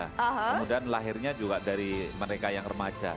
kemudian lahirnya juga dari mereka yang remaja